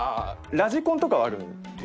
ラジコンとかはあるんですね